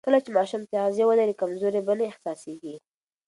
کله چې ماشوم تغذیه ولري، کمزوري به نه احساسېږي.